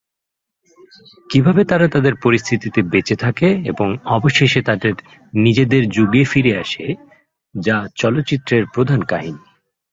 কিভাবে তারা তাদের পরিস্থিতিতে বেঁচে থাকে এবং অবশেষে তাদের নিজেদের যুগে ফিরে আসে যা চলচ্চিত্রের প্রধান কাহিনী।